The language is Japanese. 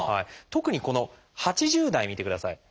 特にこの８０代見てください。